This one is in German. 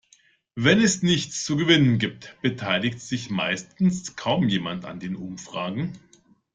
Wenn es nichts zu gewinnen gibt, beteiligt sich meistens kaum jemand an den Umfragen.